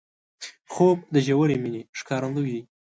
خوب د ژورې مینې ښکارندوی دی